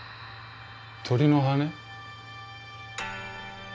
鳥の羽根？